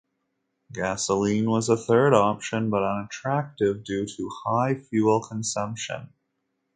Gasoline was a third option but unattractive due to high fuel consumption.